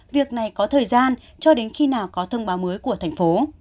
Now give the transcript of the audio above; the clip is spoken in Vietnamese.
việc này có thời gian cho đến khi nào có thông báo mới của thành phố